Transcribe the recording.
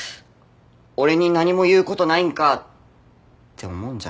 俺に何も言うことないんか！って思うんじゃない？